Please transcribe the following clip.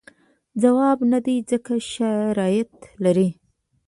ځواب نه دی ځکه شرایط لري.